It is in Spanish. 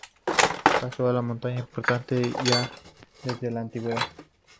Paso de montaña importante ya desde la antigüedad.